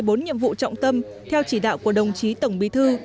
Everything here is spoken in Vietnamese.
bốn nhiệm vụ trọng tâm theo chỉ đạo của đồng chí tổng bí thư